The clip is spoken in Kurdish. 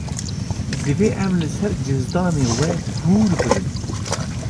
Divê em li ser cizdanê we hûr bibin.